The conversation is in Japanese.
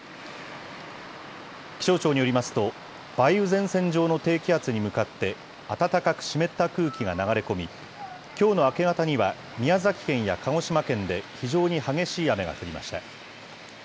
気象庁によりますと、梅雨前線上の低気圧に向かって、暖かく湿った空気が流れ込み、きょうの明け方には宮崎県や鹿児島県で非常に激しい雨が降りました。